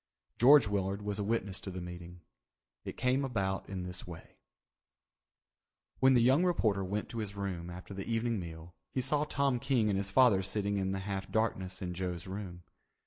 George Willard was a witness to the meeting. It came about in this way: When the young reporter went to his room after the evening meal he saw Tom King and his father sitting in the half darkness in Joe's room.